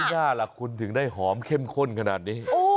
ย่าล่ะคุณถึงได้หอมเข้มข้นขนาดนี้